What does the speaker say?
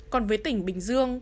còn với tỉnh bình dương